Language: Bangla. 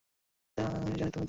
শুধুমাত্র আমিই জানি তুমি কে।